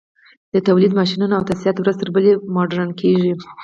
د تولید ماشینونه او تاسیسات ورځ تر بلې مډرن کېږي